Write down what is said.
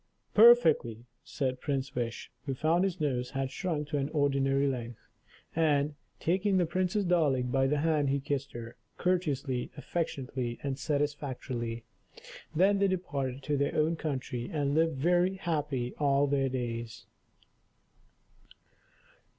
"Perfectly," said Prince Wish, who found his nose had shrunk to an ordinary length. And, taking the Princess Darling by the hand, he kissed her, courteously, affectionately, and satisfactorily. Then they departed to their own country, and lived very happy all their days.